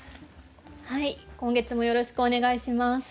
はい今月もよろしくお願いします。